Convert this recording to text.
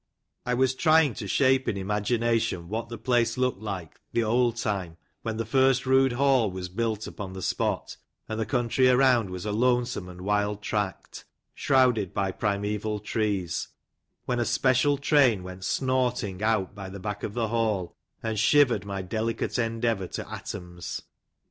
I was trying to shape in imagination what the place looked like the old time, when the first rude hall was built upon the spot, and the country around was a lonesome and wild tract, shrouded by primeval trees, when a special train went snorting out by the back of the hall, and shivered my delicate endeavour to atoms.